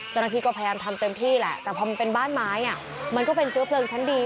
เจ้าหน้าที่ก็พยายามทำเต็มที่แหละแต่พอมันเป็นบ้านไม้มันก็เป็นเชื้อเพลิงชั้นดี